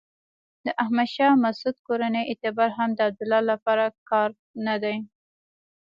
د احمد شاه مسعود کورنۍ اعتبار هم د عبدالله لپاره کارت نه دی.